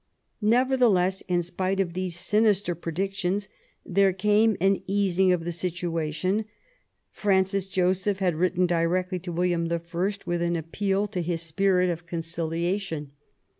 Nevertheless, in spite of these sinister predictions, there came an easing of the situation. Francis Joseph had written directly to William I, with an appeal to his spirit of conciliation.